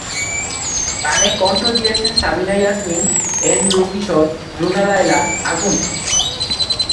গানে কণ্ঠ দিয়েছেন সাবিনা ইয়াসমিন, এন্ড্রু কিশোর, রুনা লায়লা, আগুন।